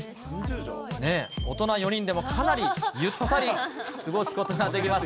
大人４人でも、かなりゆったり過ごすことができます。